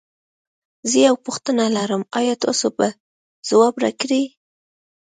زه یوه پوښتنه لرم ایا تاسو به ځواب راکړی؟